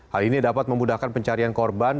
hal ini dapat memudahkan pencarian korban